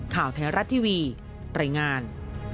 ข่าวแท้รัฐทีวีรายงาน